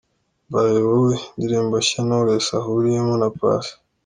'Mbaye Wowe' indirimbo nshya Knowless ahuriyemo na Passy.